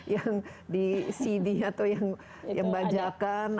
yang di cd atau yang bajakan